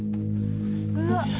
うわっ